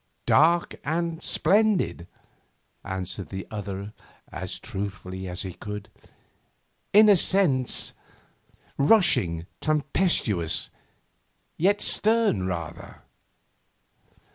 'Dark and splendid,' answered the other as truthfully as he could. 'In a certain sense, rushing, tempestuous, yet stern rather.